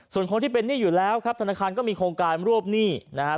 ส่วนคนที่เป็นหนี้อยู่แล้วครับธนาคารก็มีโครงการรวบหนี้นะครับ